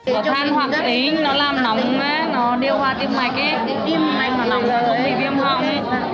vòng than hòa tính nó làm nóng nó điều hòa tiêm mạch tiêm mạch nó nóng nó bị viêm hỏng